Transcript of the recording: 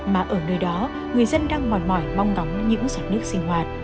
mà ở nơi đó người dân đang mòn mỏi mong ngợi